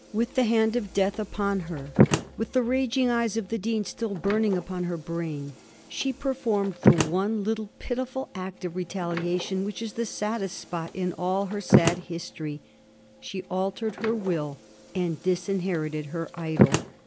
With the hand of Death upon her, with the raging eyes of the Dean still burning upon her brain, she performed the one little pitiful act of retaliation which is the saddest spot in all her sad history ; she altered her will, and disin herited her idol.